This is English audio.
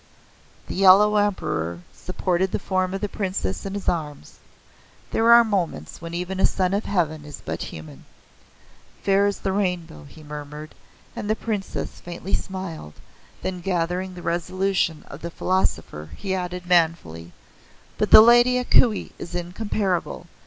The Yellow Emperor supported the form of the Princess in his arms. There are moments when even a Son of Heaven is but human. "Fair as the rainbow," he murmured, and the Princess faintly smiled; then gathering the resolution of the Philosopher he added manfully "But the Lady A Kuei is incomparable.